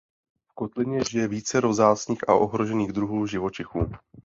V kotlině žije vícero vzácných a ohrožených druhů živočichů.